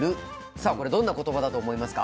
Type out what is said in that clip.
さあこれどんな言葉だと思いますか？